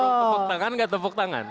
tepuk tangan atau tidak tepuk tangan